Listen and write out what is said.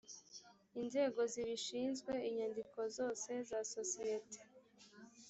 inzego zibishinzwe inyandiko zose za sosiyete